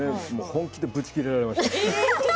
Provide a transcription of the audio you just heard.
本気で、ぶち切れられました。